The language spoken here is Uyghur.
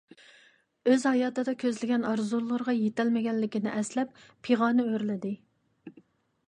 ئۆز ھاياتىدا كۆزلىگەن ئارزۇلىرىغا يېتەلمىگەنلىكىنى ئەسلەپ پىغانى ئۆرلىدى.